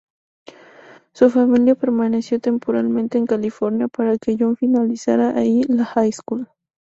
Su familia permaneció temporalmente en California para que John finalizara allí la high school.